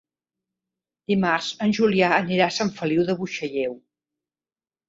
Dimarts en Julià anirà a Sant Feliu de Buixalleu.